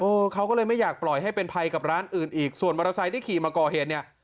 เขาก็เลยไม่อยากปล่อยให้เป็นภัยกับร้านอื่นอีกส่วนมอเตอร์ไซค์ที่ขี่มาก่อเหตุเนี่ย